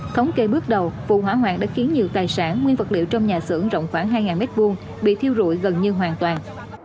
thống kê bước đầu vụ hỏa hoạn đã khiến nhiều tài sản nguyên vật liệu trong nhà xưởng rộng khoảng hai m hai bị thiêu rụi gần như hoàn toàn